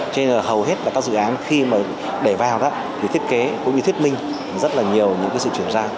cho nên là hầu hết các dự án khi mà để vào thì thiết kế cũng như thiết minh rất là nhiều những sự chuyển ra